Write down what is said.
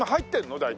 大体。